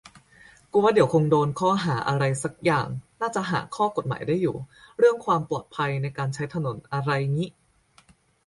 กูว่าเดี๋ยวคงโดนข้อหาอะไรสักอย่าง น่าจะหาข้อกฎหมายได้อยู่ เรื่องความปลอดภัยในการใช้ถนนอะไรงี้